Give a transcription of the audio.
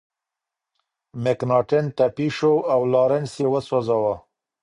مکناتن ټپي شو او لارنس یې وسوځاوه.